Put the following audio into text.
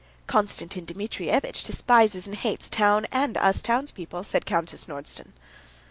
"Konstantin Dmitrievitch despises and hates town and us townspeople," said Countess Nordston.